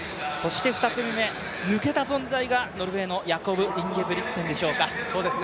２組目、抜けた存在がノルウェーのヤコブ・インゲブリクセンでしょうか。